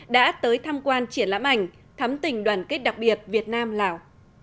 đã tới tham quan triển lãm ảnh thắm tình đoàn kết đặc biệt việt nam lào